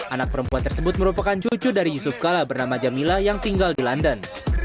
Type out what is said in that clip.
anak perempuan tersebut merupakan cucu dari yusuf kala bernama jamila yang tinggal di london